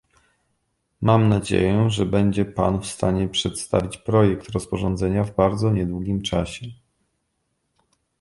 Mam nadzieję, że będzie Pan w stanie przedstawić projekt rozporządzenia w bardzo niedługim czasie